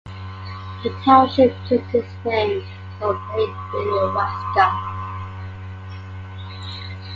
The township took its name from Lake Minnewaska.